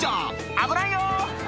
危ないよ！